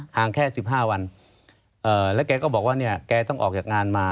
ห่างแค่๑๕วันแล้วแกก็บอกว่าแกต้องออกจากงานมา